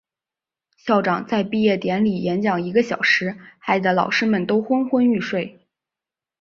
校长在毕业典礼演讲一个小时，害得老师们都昏昏欲睡。